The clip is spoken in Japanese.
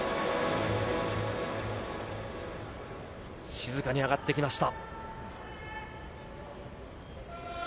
静かに上がってきました。